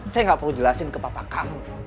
saya nggak perlu jelasin ke papa kamu